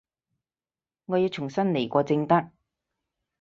我要重新來過正得